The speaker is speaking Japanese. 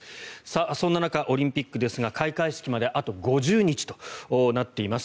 そんな中、オリンピックですが開会式まであと５０日となっています。